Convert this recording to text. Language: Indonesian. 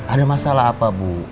ada masalah apa bu